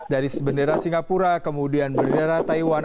dari bendera singapura kemudian bendera taiwan